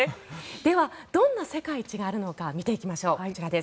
では、どんな世界一があるのか見ていきましょう。